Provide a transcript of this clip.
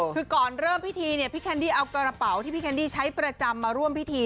คือก่อนเริ่มพิธีเนี่ยพี่แคนดี้เอากระเป๋าที่พี่แคนดี้ใช้ประจำมาร่วมพิธี